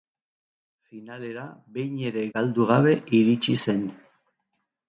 Finalera behin ere galdu gabe iritsi zen.